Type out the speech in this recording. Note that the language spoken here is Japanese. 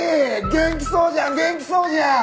元気そうじゃん元気そうじゃん！